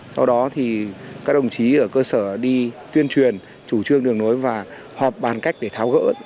sau đó thì các đồng chí ở cơ sở đi tuyên truyền chủ trương đường nối và họp bàn cách để tháo gỡ